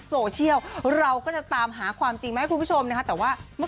โซเชียลเราก็จะตามหาความจริงมาให้คุณผู้ชมนะคะแต่ว่าเมื่อ